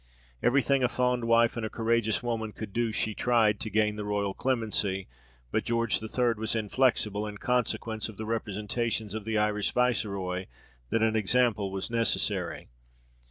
Every thing a fond wife and a courageous woman could do she tried, to gain the royal clemency; but George III. was inflexible, in consequence of the representations of the Irish viceroy that an example was necessary.